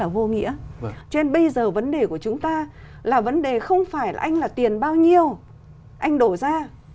vấn đề của chúng ta là vấn đề không phải là anh là tiền bao nhiêu anh đổ ra